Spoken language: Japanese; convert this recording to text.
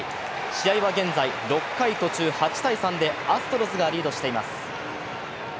試合は現在、６回途中８−３でアストロズがリードしています。